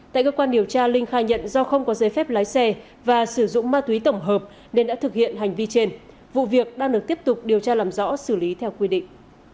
tại cơ quan điều tra linh khai nhận do không có giấy phép lái xe và sử dụng ma túy tổng hợp nên đã thực hiện hành vi trên vụ việc đang được tiếp tục điều tra làm rõ xử lý theo quy định